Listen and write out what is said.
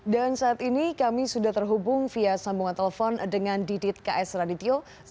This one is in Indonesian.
dan saat ini kami sudah terhubung via sambungan telepon dengan didit ks radityo